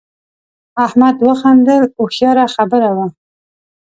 احمد وخندل هوښیاره خبره وه.